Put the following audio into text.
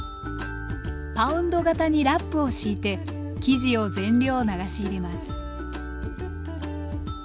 パウンド型にラップを敷いて生地を全量流し入れます